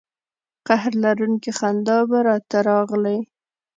قهر لرونکې خندا به را ته راغلې.